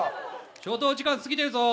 ・消灯時間過ぎてるぞ。